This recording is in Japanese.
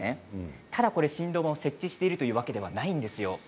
ただ振動板を設置しているというわけではないんですよ。